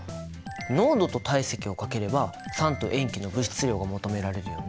濃度と体積を掛ければ酸と塩基の物質量が求められるよね。